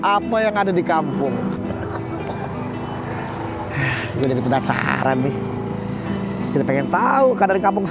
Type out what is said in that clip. apa yang duka yg meluat apaan juga